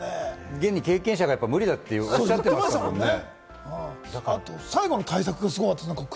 現に経験者が無理だとおっしゃってましたもんね。